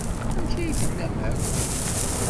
Amek ay tellam akk?